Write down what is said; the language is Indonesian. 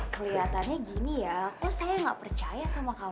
keliatannya gini ya kok saya nggak percaya sama kamu